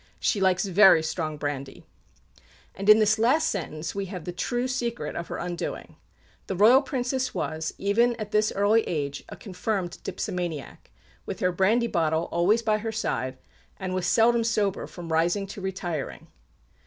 She likes very strong brandy." And in this last sentence we have the true secret of her undoing. The Royal Princess was, even tat this early age, a confirmed dipsomaniac, with her brandy bottle always by her side; and was seldom sober, from rising to retiring.